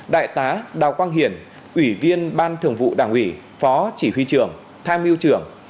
đại tá đào quang hiển ủy viên ban thường vụ đảng ủy phó chỉ huy trưởng tham mưu trưởng